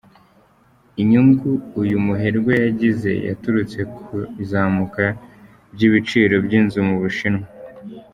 Inyungu uyu muherwe yagize yaturutse ku izamuka by’ibiciro by’inzu mu Bushinwa.